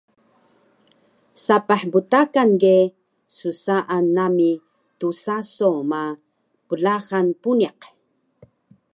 Sapah btakan ge ssaan nami tsaso ma plahan puniq